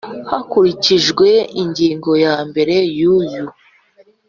hakurikijwe ingingo yambere y uyu